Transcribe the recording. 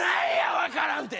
「分からん」